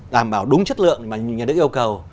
đảm bảo đúng chất lượng mà nhà nước yêu cầu